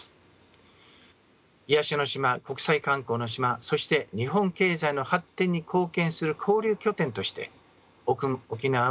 癒やしの島国際観光の島そして日本経済の発展に貢献する交流拠点として沖縄は注目をされています。